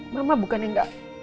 mama bukan yang gak